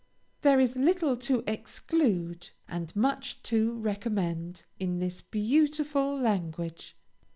There is little to exclude, and much to recommend, in this beautiful language.